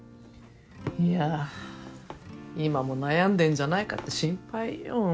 いや今も悩んでんじゃないかって心配よ。